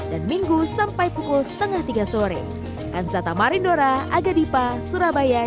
dan minggu sampai pukul setengah tiga sore